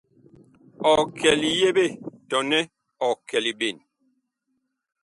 Ɔg kɛ liyeɓe tɔnɛ ɔg kɛ liɓen ?